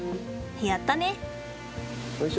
やったね！